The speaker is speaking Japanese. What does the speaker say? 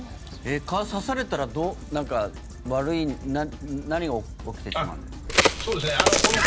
蚊に刺されたら、悪い何が起きてしまうんですか？